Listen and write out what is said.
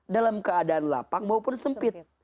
dalam keadaan lapang maupun sempit